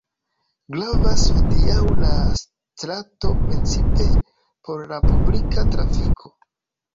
Gravas hodiaŭ la strato precipe por la publika trafiko.